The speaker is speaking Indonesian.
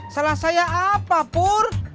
salah saya apa pur